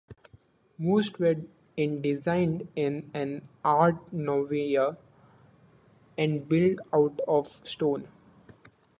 Most were in designed in an Art Nouveau and built out of stone.